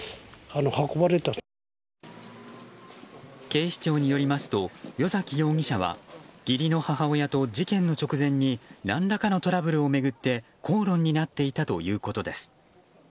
警視庁によりますと与崎容疑者は義理の母親と事件の直前に何らかのトラブルを巡って口論になっていたということです。